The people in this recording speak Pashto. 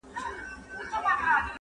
فقط لکه د فلم تماشې ته چي وتلي وي -